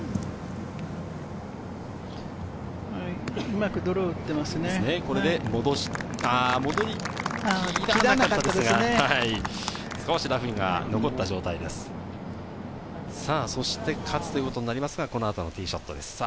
うまくドローを打ってますね。